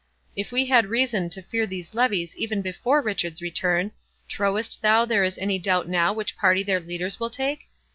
If we had reason to fear these levies even before Richard's return, trowest thou there is any doubt now which party their leaders will take?